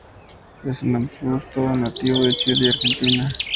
Es un arbusto nativo de Chile y Argentina.